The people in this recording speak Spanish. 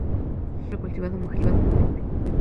Es un hombre cultivado, mujeriego y vividor.